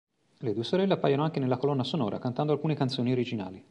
Le due sorelle appaiono anche nella colonna sonora cantando alcune canzoni originali.